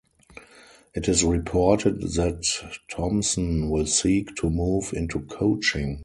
It is reported that Thompson will seek to move into coaching.